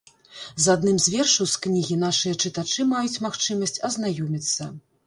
З адным з вершаў з кнігі нашыя чытачы маюць магчымасць азнаёміцца.